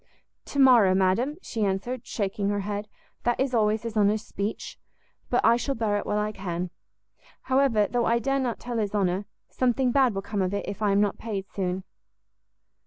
"To morrow, madam," she answered, shaking her head, "that is always his honour's speech: but I shall bear it while I can. However, though I dare not tell his honour, something bad will come of it, if I am not paid soon."